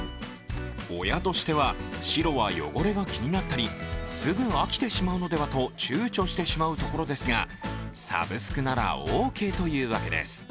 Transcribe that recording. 親としては白は汚れが気になったりすぐ飽きてしまうのでは？とちゅうちょしてしまうところですが、サブスクなら、オーケーというわけです。